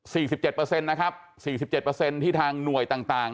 สิบเจ็ดเปอร์เซ็นต์นะครับสี่สิบเจ็ดเปอร์เซ็นต์ที่ทางหน่วยต่างต่าง